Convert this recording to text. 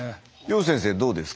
楊先生どうですか？